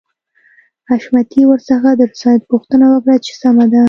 حشمتي ورڅخه د رضايت پوښتنه وکړه چې سمه ده.